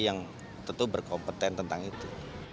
yang tentu berkompeten tentang itu